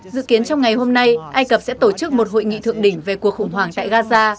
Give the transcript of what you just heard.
dự kiến trong ngày hôm nay ai cập sẽ tổ chức một hội nghị thượng đỉnh về cuộc khủng hoảng tại gaza